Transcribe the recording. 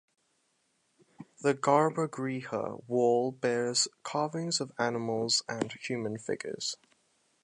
The garbhagriha wall bears carvings of animals and human figures.